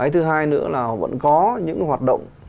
thứ hai nữa là vẫn có những hoạt động